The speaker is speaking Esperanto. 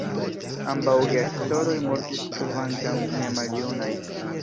Ambaŭ geaktoroj mortis kvankam ne maljunaj.